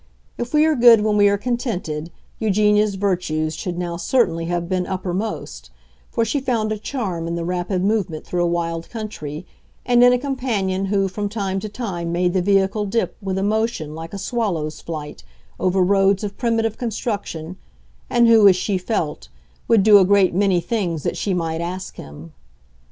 If we are good when we are contented, Eugenia's virtues should now certainly have been uppermost; for she found a charm in the rapid movement through a wild country, and in a companion who from time to time made the vehicle dip, with a motion like a swallow's flight, over roads of primitive construction, and who, as she felt, would do a great many things that she might ask him.